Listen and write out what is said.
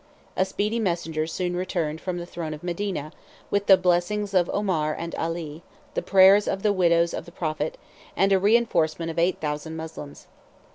A speedy messenger soon returned from the throne of Medina, with the blessings of Omar and Ali, the prayers of the widows of the prophet, and a reenforcement of eight thousand Moslems.